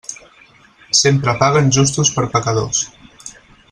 Sempre paguen justos per pecadors.